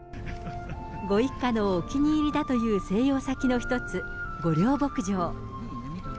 ご一家のお気に入りだという静養先の一つ、御料牧場。